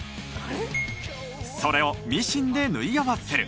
それをミシンで縫い合わせる。